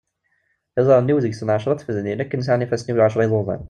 Iḍarren-iw deg-sen εecra tfednin akken sεan ifassen-iw εecra iḍuḍan.